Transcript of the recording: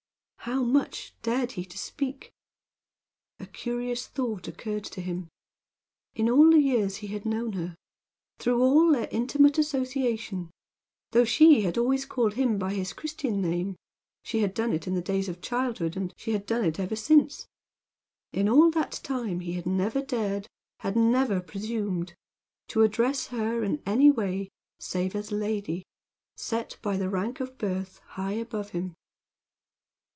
How much dared he to speak? A curious thought occurred to him. In all the years he had known her through all their intimate association though she had always called him by his Christian name, she had done it in the days of childhood, and she had done it ever since in all that time he had never dared, had never presumed, to address her in any way save as a lady, set by the rank of birth high above him.